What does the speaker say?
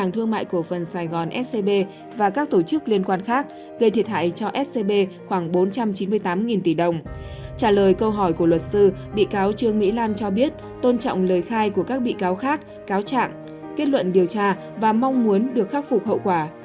trả lời câu hỏi của luật sư bị cáo trương mỹ lan cho biết tôn trọng lời khai của các bị cáo khác cáo trạng kết luận điều tra và mong muốn được khắc phục hậu quả